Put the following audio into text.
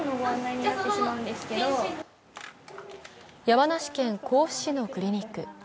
山梨県甲府市のクリニック。